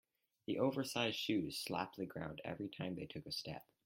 Their oversized shoes slapped the ground each time they took a step.